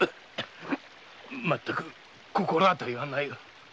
まったく心当たりはないが。